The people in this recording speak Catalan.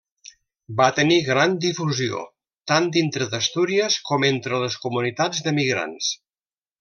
Va tenir gran difusió tant dintre d'Astúries com entre les comunitats d'emigrants.